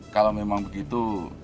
kalo memang begitu